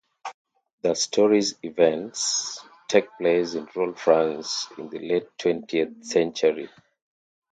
The story's events take place in rural France in the late twentieth century.